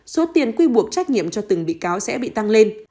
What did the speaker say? số tiền quy buộc trách nhiệm cho từng bị cáo sẽ bị tăng lên